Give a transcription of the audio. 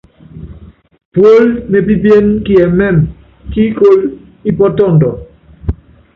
Puólí mépípiéne kiɛmɛ́mɛ, kíikólo ípɔ́tɔndɔnɔ.